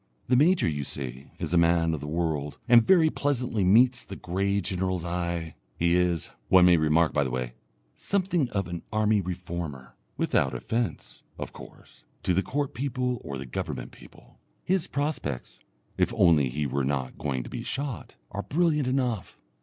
The major you see is a man of the world, and very pleasantly meets the grey general's eye. He is, one may remark by the way, something of an army reformer, without offence, of course, to the Court people or the Government people. His prospects if only he were not going to be shot are brilliant enough.